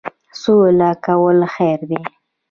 سوله کول خیر دی